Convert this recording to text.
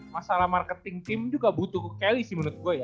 masalah marketing team juga butuh ke kelly sih menurut gua ya